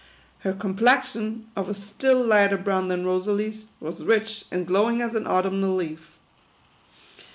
Her complexion, of a still lighter brown than Rosalie's, was rich and glowing as an autumnal leaf.